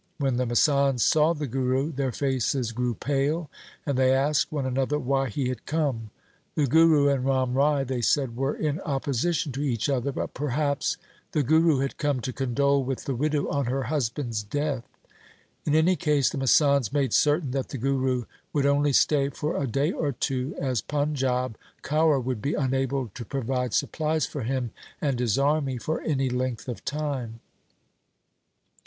When the masands saw the Guru, their faces grew pale and they asked one another why he had come. The Guru and Ram Rai, they said, were in opposition to each other, but perhaps the Guru had come to condole with the widow on her husband's death. In any case the masands made certain that the Guru would only stay for a day or two, as Panjab Kaur would be unable to provide supplies for him and his army for any length of time.